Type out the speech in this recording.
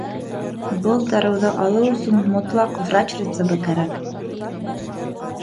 Был дарыуҙы алыу өсөн мотлаҡ врач рецебы кәрәк.